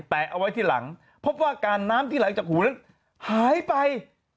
แปะเอาไว้ที่หลังพบว่าการน้ำที่ไหลจากหูนั้นหายไป